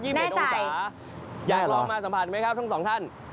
แยกลองมาสัมผัสไหมครับทุกสองท่าน